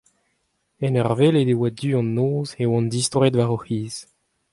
en ur welet e oa du an noz e oant distroet war o c'hiz.